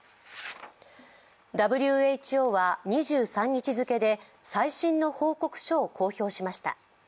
ＷＨＯは２３日付で最新の報告書を公表しました。